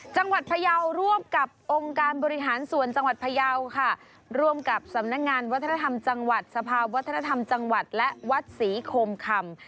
จังหวัดพยาวร่วมกับองค์การบริหารส่วนจังหวัดพยาวค่ะร่วมกับสำนักงานวัฒนธรรมจังหวัดสภาวัฒนธรรมจังหวัดและวัดศรีโคมคำ